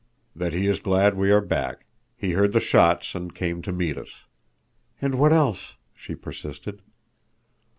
"That he is glad we are back. He heard the shots and came to meet us." "And what else?" she persisted.